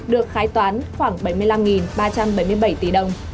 được khai toán khoảng bảy mươi năm ba trăm bảy mươi bảy tỷ đồng